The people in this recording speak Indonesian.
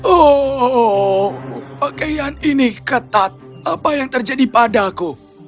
oh pakaian ini ketat apa yang terjadi padaku